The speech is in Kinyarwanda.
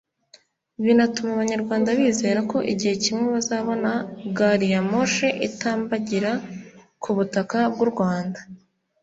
binatuma Abanyarwanda bizera ko igihe kimwe bazabona gari ya moshi itambagira ku butaka bw’u Rwanda